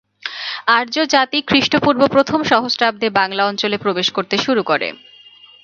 আর্য জাতি খ্রিস্টপূর্ব প্রথম সহস্রাব্দে বাংলা অঞ্চলে প্রবেশ করতে শুরু করে।